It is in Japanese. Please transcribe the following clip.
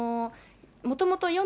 もともと